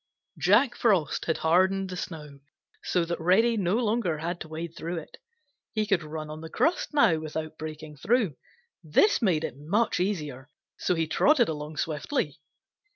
Jack Frost had hardened the snow so that Reddy no longer had to wade through it. He could run on the crust now without breaking through. This made it much easier, so he trotted along swiftly.